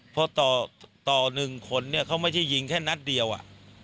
เพราะต่อหนึ่งคนเนี่ยเขาไม่ได้ยิงแค่นัดเดียวอ่ะ